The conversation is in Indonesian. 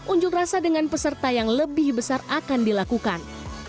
unjuk rasa dengan peserta yang lebih besar akan dilakukan